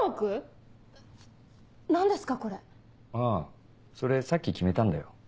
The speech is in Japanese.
あそれさっき決めたんだよ。